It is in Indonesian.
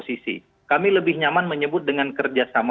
tapi jadi pas penerbitan kita